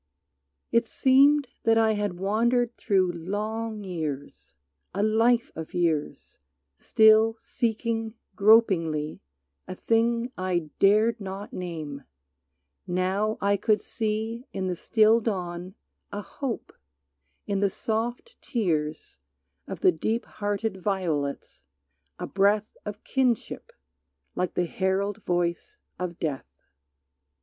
It seemed that I had wandered through long years, A life of years, still seeking gropingly A thing I dared not name; now I could see In the still dawn a hope, in the soft tears Of the deep hearted violets a breath Of kinship, like the herald voice of Death.